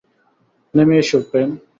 নেমে এসো, প্রেম।